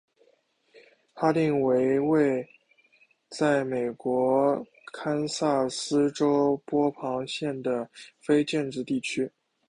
哈定为位在美国堪萨斯州波旁县的非建制地区。